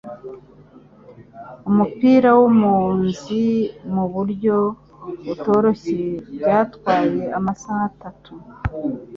umupira wumuzi muburyo butoroshye byatwaye amasaha atatu